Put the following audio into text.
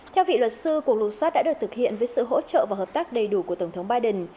theo vị luật sư cuộc lục xoát đã được thực hiện với sự hỗ trợ và hợp tác đầy đủ của tổng thống biden